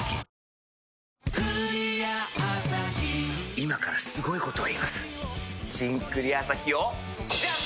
今からすごいこと言います「新・クリアアサヒ」をジャン！